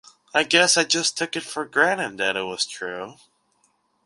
I guess I just took it for granted that it was true.